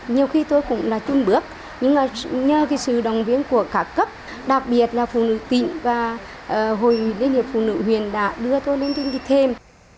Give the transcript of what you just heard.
nhiều khi tôi cũng là chung bước nhưng mà nhờ cái sự đồng viên của các cấp đặc biệt là phụ nữ tịnh và hội liên hiệp phụ nữ huyền đã đưa tôi lên trên thịt thêm